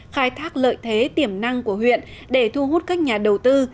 khai thác lợi thế tiềm năng của huyện để thu hút các nhà đầu tư